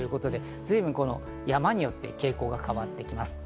随分、山によって傾向が変わってきます。